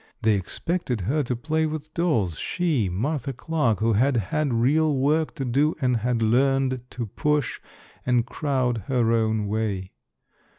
They expected her to play with dolls, she, Martha Clarke, who had had real work to do and had learned to push and crowd her own way.